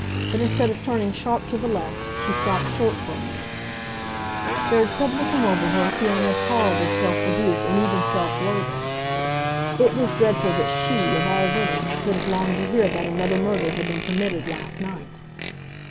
But instead of turning sharp to the left she stopped short for a minute. There had suddenly come over her a feeling of horrible self rebuke and even self loathing. It was dreadful that she, of all women, should have longed to hear that another murder had been committed last night!